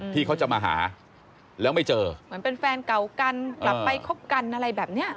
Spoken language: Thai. ที่เขาจะมาหาแล้วไม่เจอเหมือนเป็นแฟนเก่ากันกลับไปคบกันอะไรแบบเนี้ย